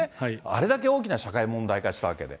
あれだけ大きな社会問題化したわけで。